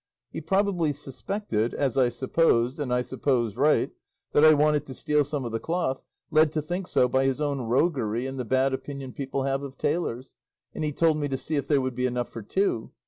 He probably suspected as I supposed, and I supposed right that I wanted to steal some of the cloth, led to think so by his own roguery and the bad opinion people have of tailors; and he told me to see if there would be enough for two.